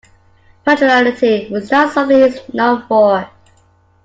Punctuality was not something he is known for.